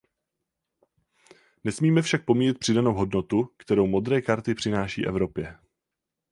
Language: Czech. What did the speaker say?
Nesmíme však pomíjet přidanou hodnotu, kterou modré karty přináší Evropě.